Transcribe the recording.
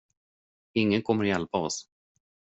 Ingen kommer att hjälpa oss.